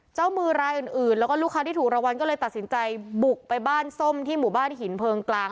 เจ้ามือรายอื่นแล้วก็ลูกค้าที่ถูกรางวัลก็เลยตัดสินใจบุกไปบ้านส้มที่หมู่บ้านหินเพลิงกลาง